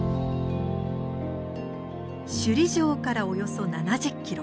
首里城からおよそ７０キロ。